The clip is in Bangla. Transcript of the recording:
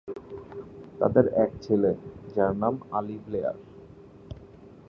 তাদের এক ছেলে, যার নাম আলী ব্লেয়ার।